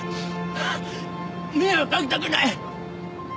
迷惑かけたくない！